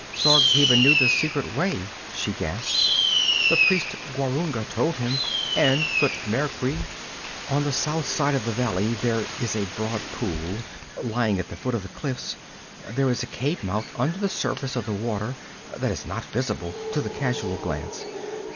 'Zargheba knew the secret way,' she gasped. 'The priest Gwarunga told him, and Thutmekri. On the south side of the valley there is a broad pool lying at the foot of the cliffs. There is a cave mouth under the surface of the water that is not visible to the casual glance.